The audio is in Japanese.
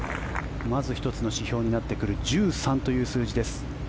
まず１つの指標になってくる１３という数字です。